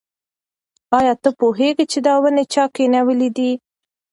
ایا ته پوهېږې چې دا ونې چا کینولي دي؟